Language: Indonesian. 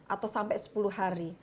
atau sampai sepuluh hari